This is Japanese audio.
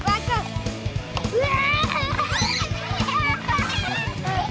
うわ！